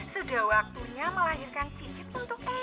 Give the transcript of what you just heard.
sudah waktunya melahirkan cincin untuk eang